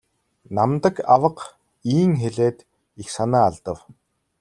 Намдаг авга ийн хэлээд их санаа алдав.